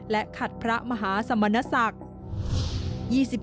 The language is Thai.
และขัดพระมหาสมณศักดิ์